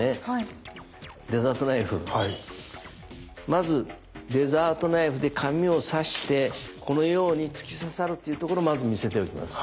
まずデザートナイフで紙を刺してこのように突き刺さるっていうところをまず見せておきます。